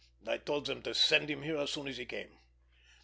"I told them to send him here as soon as he came."